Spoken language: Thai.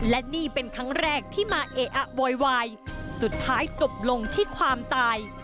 และนี่เป็นครั้งแรกที่มาเออะโวยวายสุดท้ายจบลงที่ความตาย